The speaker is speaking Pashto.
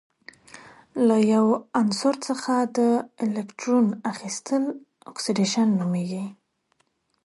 له یو عنصر څخه د الکترون اخیستل اکسیدیشن نومیږي.